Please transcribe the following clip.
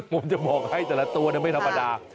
ผมจะบอกให้แต่ละตัวไม่ธรรมดา